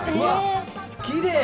きれい！